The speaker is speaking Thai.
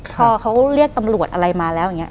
พอเขาเรียกตำรวจอะไรมาแล้วอย่างนี้